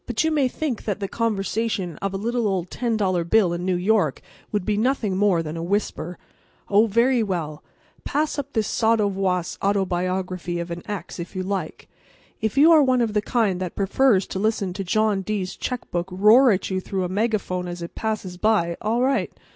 But you may think that the conversation of a little old ten dollar bill in New York would be nothing more than a whisper. Oh, very well! Pass up this sotto voce autobiography of an X if you like. If you are one of the kind that prefers to listen to John D's checkbook roar at you through a megaphone as it passes by, all right.